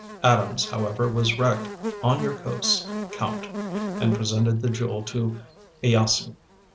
Adams, however, was wrecked on your coasts, Count, and presented the jewel to Ieyasu."